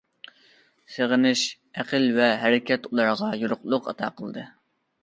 سېغىنىش، ئەقىل ۋە ھەرىكەت ئۇلارغا يورۇقلۇق ئاتا قىلدى.